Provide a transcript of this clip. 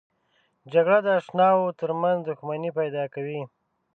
جګړه د اشناو ترمنځ دښمني پیدا کوي